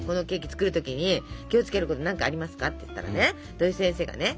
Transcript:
作る時に気をつけること何かありますか？」って言ったらね土井先生がね